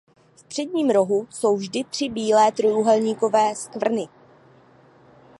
V předním rohu jsou vždy tři bílé trojúhelníkové skvrny.